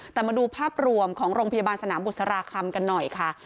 แต่มาดูภาพรวมของโรงพยาบาลสนามบุษราคำกันหน่อยค่ะ